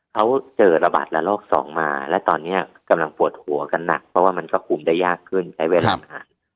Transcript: เขาเจอระบาดระลอกสองมาและตอนนี้กำลังปวดหัวกันหนักเพราะว่ามันก็คุมได้ยากขึ้นใช้เวลานาน